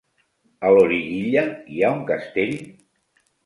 A Loriguilla hi ha un castell?